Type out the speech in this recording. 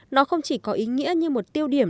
nó không chỉ có ý nghĩa như một tiêu điểm